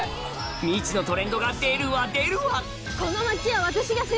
未知のトレンドが出るわ出るわ！